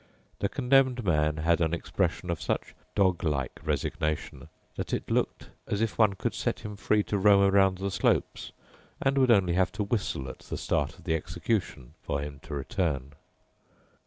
The Condemned Man had an expression of such dog like resignation that it looked as if one could set him free to roam around the slopes and would only have to whistle at the start of the execution for him to return.